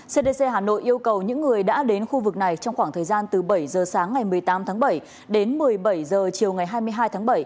cdc hà nội yêu cầu những người đã đến khu vực này trong khoảng thời gian từ bảy giờ sáng ngày một mươi tám tháng bảy đến một mươi bảy h chiều ngày hai mươi hai tháng bảy